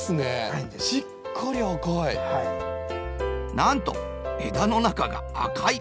なんと枝の中が赤い。